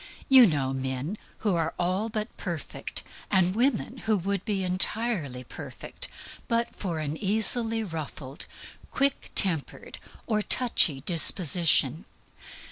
You know men who are all but perfect, and women who would be entirely perfect, but for an easily ruffled, quick tempered, or "touchy" disposition.